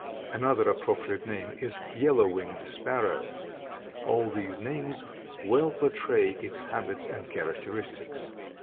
Another appropriate name is Yellow winged Sparrow. All these names well portray its habits and characteristics.